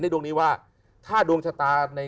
ดวงนี้ว่าถ้าดวงชะตาใน